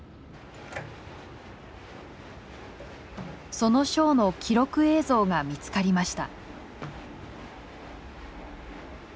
そのショーの記録映像が見つかりました。